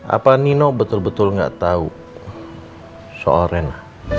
apa nino betul betul gak tau soal rena